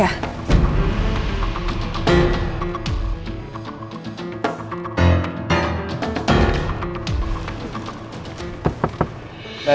gak usah bisa turun